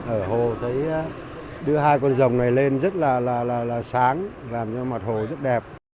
ở hồ thấy đưa hai con rồng này lên rất là sáng làm cho mặt hồ rất đẹp